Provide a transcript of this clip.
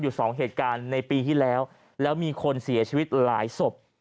อยู่สองเหตุการณ์ในปีที่แล้วแล้วมีคนเสียชีวิตหลายศพ